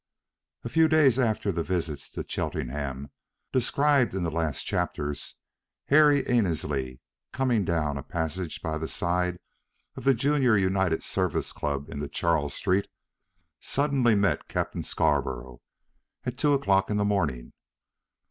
A few days after the visits to Cheltenham, described in the last chapters, Harry Annesley, coming down a passage by the side of the Junior United Service Club into Charles Street, suddenly met Captain Scarborough at two o'clock in the morning.